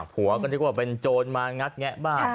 ผัวก็นึกว่าเป็นโจรมางัดแงะบ้าน